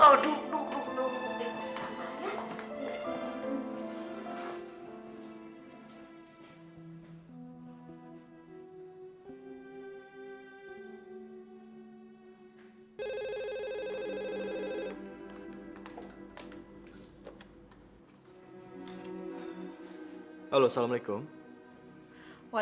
aduh yang sini sini enggak